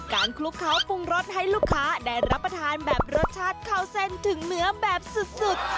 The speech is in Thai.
คลุกเคล้าปรุงรสให้ลูกค้าได้รับประทานแบบรสชาติเข้าเส้นถึงเนื้อแบบสุด